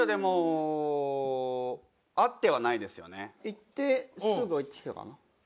行ってすぐ帰ってきたかな。